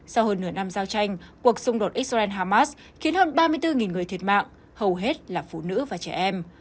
sau hơn nửa năm giao tranh cuộc xung đột israel hamas khiến hơn ba mươi bốn người thiệt mạng hầu hết là phụ nữ và trẻ em